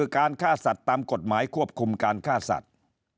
การฆ่าสัตว์ตามกฎหมายควบคุมการฆ่าสัตว์